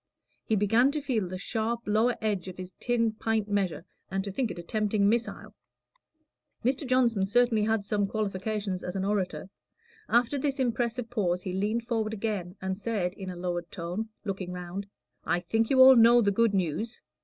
He began to feel the sharp lower edge of his tin pint measure, and to think it a tempting missile. Mr. Johnson certainly had some qualifications as an orator. After this impressive pause he leaned forward again, and said, in a lowered tone, looking round "I think you all know the good news."